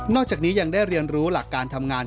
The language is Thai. จากนี้ยังได้เรียนรู้หลักการทำงาน